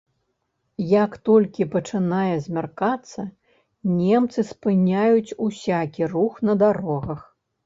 Як толькі пачынае змяркацца, немцы спыняюць усякі рух на дарогах.